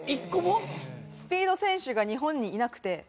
スピード選手が日本にいなくて。